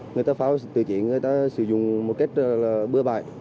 người ta phao tự chế người ta sử dụng một cách bừa bại